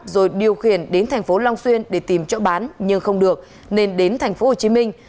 rồi điều khiển đến thành phố long xuyên để tìm chỗ bán nhưng không được nên đến thành phố hồ chí minh